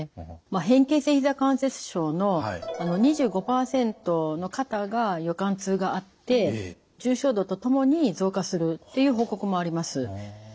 変形性ひざ関節症の２５％の方が夜間痛があって重症度とともに増加するっていう報告もあります。